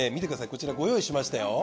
こちらご用意しましたよ。